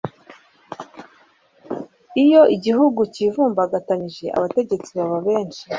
iyo igihugu kivumbagatanyije, abategetsi baba benshi